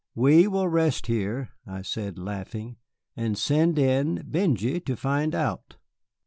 "We will rest here," I said, laughing, "and send in Benjy to find out."